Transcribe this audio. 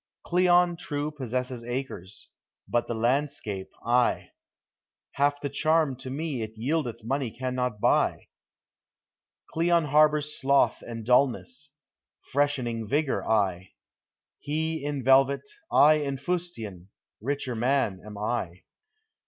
Cleon, true, possesses acres, but the landscape I; Half the charm to me it yieldeth money can not buy, Cleon harbors sloth and dullness, freshening vigor I; He in velvet, I in fustian, richer man am I.